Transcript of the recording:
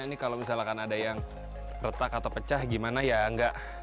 ini kalau misalkan ada yang retak atau pecah gimana ya enggak